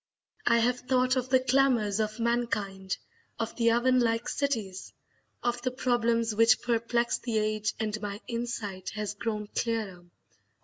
I have thought of the clamours of mankind, of the oven like cities, of the problems which perplex the age, and my insight has grown clearer.